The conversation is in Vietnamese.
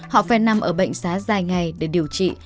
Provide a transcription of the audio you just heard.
họ phải nằm ở bệnh xá dài ngày để điều trị